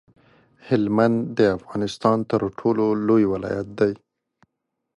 هلمند د افغانستان تر ټولو لوی ولایت دی.